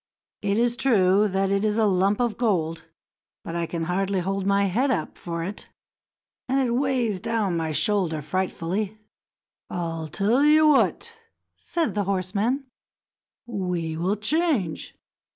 It is true that it is a lump of gold, but I can hardly hold my head up for it, and it weighs down my shoulder frightfully." "I'll tell you what," said the horseman, "we will change.